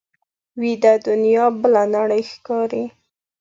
ویده دنیا بله نړۍ ښکاري